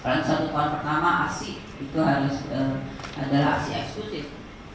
dan satu tahun pertama asli itu harus adalah asli eksklusif